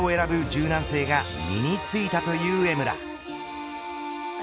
柔軟性が身に付いたという江村。